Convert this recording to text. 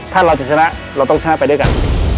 ถ้าเราจะชนะเราต้องชนะไปด้วยกัน